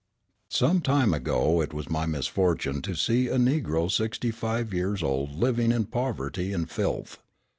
Some time ago it was my misfortune to see a Negro sixty five years old living in poverty and filth.